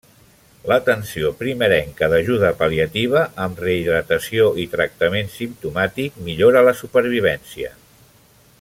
L'atenció primerenca d'ajuda pal·liativa amb rehidratació i tractament simptomàtic millora la supervivència.